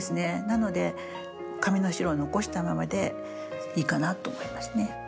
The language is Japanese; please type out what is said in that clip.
なので紙の白を残したままでいいかなと思いますね。